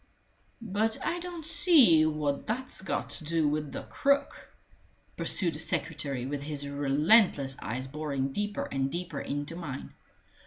"But I don't see what that's got to do with the crook," pursued the secretary, with his relentless eyes boring deeper and deeper into mine.